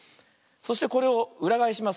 そしてこれをうらがえします。